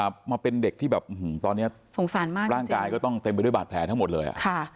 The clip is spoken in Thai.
เพราะเป็นเด็กที่แบบตอนนี้ร่างกายก็ต้องเต็มไปด้วยบาดแพ้ทั้งหมดเลย